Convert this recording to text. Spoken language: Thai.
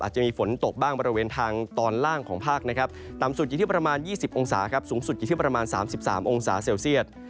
จะมีฝนตกบ้างบริเวณทางตอนล่างของภาคนะครับต่ำสุดอยู่ที่ประมาณ๒๐องศาครับสูงสุดอยู่ที่ประมาณ๓๓องศาเซลเซียต